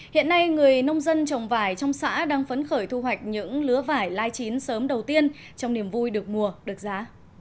hiện nay người nông dân trồng vải trong xã đang phấn khởi thu hoạch những lứa vải lai chín sớm đầu tiên trong niềm vui được mùa được giá